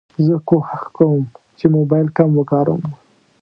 زه کوښښ کوم چې موبایل کم وکاروم.